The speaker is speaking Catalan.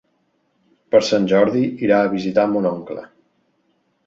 Per Sant Jordi irà a visitar mon oncle.